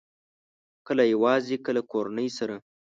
کله یوازې، کله کورنۍ سره